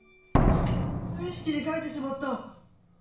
無意識に書いてしまった！